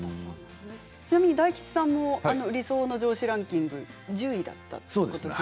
ちなみに大吉さんも理想の上司ランキング１０位だったということで。